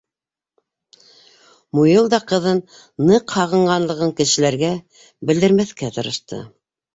Муйыл да ҡыҙын ныҡ һағынғанлығын кешеләргә белдермәҫкә тырышты.